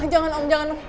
jangan om jangan om